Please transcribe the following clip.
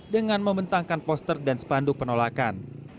dengan membentangkan poster dan spanduk penolakan